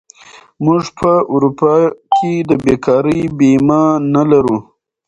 موږ په اروپا کې د بېکارۍ بیمه نه لرو.